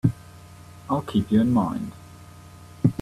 I'll keep you in mind.